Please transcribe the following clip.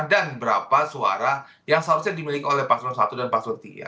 dan berapa suara yang seharusnya dimiliki oleh pasl satu dan pasl tiga